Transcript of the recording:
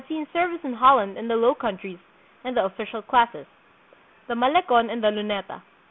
seen service in Holland and the Low Countries, and the official classes. The Malecon and the Lunetcu.